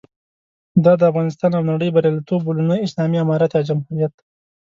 دا د افغانستان او نړۍ بریالیتوب بولو، نه اسلامي امارت یا جمهوریت.